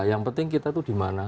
yang penting kita itu dimana